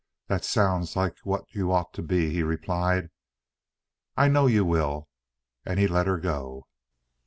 "That sounds like what you ought to be," he replied. "I know you will." And he let her go.